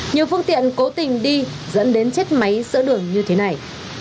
nhiều phương tiện cố tình đi dẫn đến chết máy giữa đường như thế này